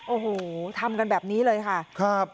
โอ้โหทำกันแบบนี้เลยค่ะครับ